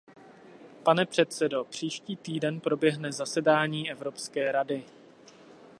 Pane předsedo, příští týden proběhne zasedání Evropské rady.